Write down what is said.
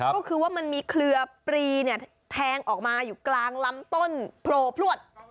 ก็คือว่ามันมีเครือปรีเนี่ยแทงออกมาอยู่กลางลำต้นโผล่พลวด